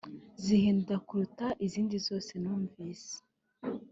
zihenda kuruta izindi zose numvise